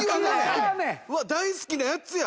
大好きなやつや！